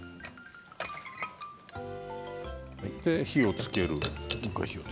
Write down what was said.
で、火をつける。